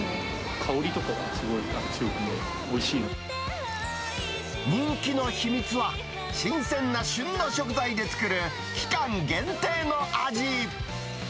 香りとかがすごく強くて、人気の秘密は、新鮮な旬の食材で作る期間限定の味。